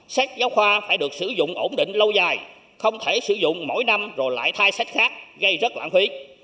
sách giáo khoa phải được sử dụng ổn định lâu dài không thể sử dụng mỗi năm rồi lại thay sách khác gây rất lãng phí